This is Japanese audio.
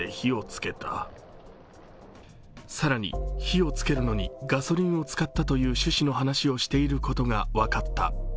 更に、火をつけるのにガソリンを使ったという趣旨の話をしていることが分かった。